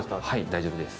大丈夫です。